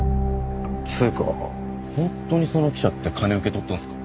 つうか本当にその記者って金受け取ったんすか？